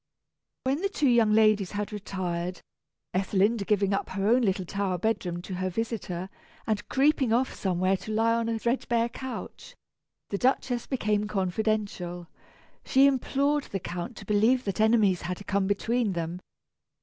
When the two young ladies had retired (Ethelinda giving up her own little tower bedroom to her visitor, and creeping off somewhere to lie on a threadbare couch), the Duchess became confidential. She implored the Count to believe that enemies had come between them.